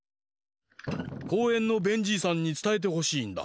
こうえんのベンじいさんにつたえてほしいんだ。